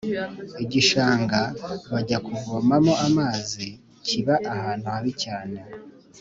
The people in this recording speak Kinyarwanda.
igishanga bajya kuvomamo amazi kiba ahantu habi cyane